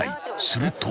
すると］